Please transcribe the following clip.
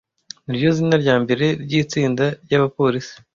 niryo zina ryambere ryitsinda ryabapolisi